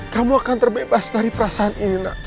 kamu akan terbebas dari perasaan ini nak